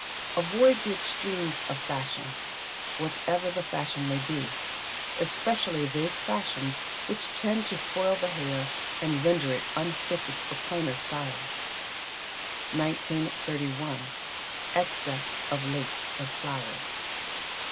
Avoid the extremes of fashion, whatever the fashion may be, especially those fashions which tend to spoil the hair and render it unfitted for plainer styles. 1931. Excess of Lace and Flowers.